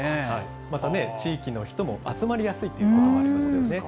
また、地域の人も集まりやすいということもありますよね。